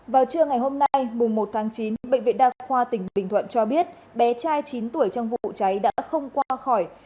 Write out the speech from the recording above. vào trưa ngày hôm nay mùng một tháng chín bệnh viện đa khoa tỉnh bình thuận cho biết bé trai chín tuổi trong vụ cháy đã không qua khỏi